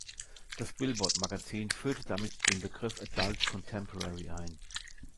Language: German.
Das Billboard-Magazin führte damit den Begriff Adult Contemporary ein.